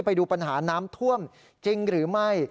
ไปดูปัญหาน้ำท่วมจริงหรือไม่